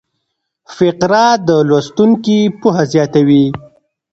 فقره د لوستونکي پوهه زیاتوي.